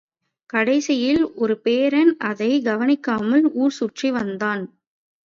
கடைசியில் ஒருபேரன் அதைக் கவனிக்காமல் ஊர் சுற்றி வந்தான்.